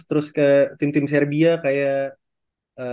terus ke tim tim serbia kayak